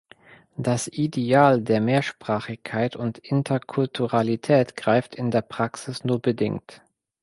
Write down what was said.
Das Ideal der Mehrsprachigkeit und Interkulturalität greift in der Praxis nur bedingt.